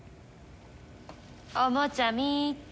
おもちゃ見っけ。